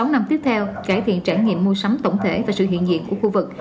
sáu năm tiếp theo cải thiện trải nghiệm mua sắm tổng thể và sự hiện diện của khu vực